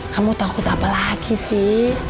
kamu takut apa lagi sih